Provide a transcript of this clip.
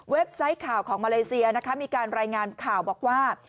ไซต์ข่าวของมาเลเซียนะคะมีการรายงานข่าวบอกว่า